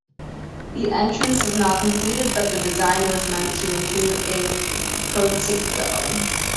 The entrance is not completed, but the design was meant to include a portico.